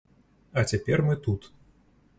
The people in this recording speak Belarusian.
А цяпер мы тут.